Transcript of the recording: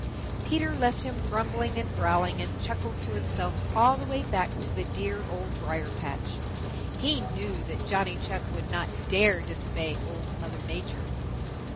Peter left him grumbling and growling, and chuckled to himself all the way back to the dear Old Briar patch. He knew that Johnny Chuck would not dare disobey Old Mother Nature.